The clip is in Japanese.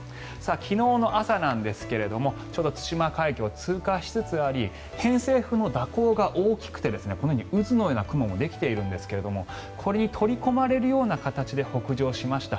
昨日の朝なんですがちょうど対馬海峡を通過しつつあり偏西風の蛇行が大きくてこのように渦のような雲もできているんですがこれに取り込まれるような形で北上しました。